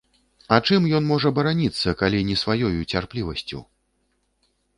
А чым ён можа бараніцца, калі не сваёю цярплівасцю.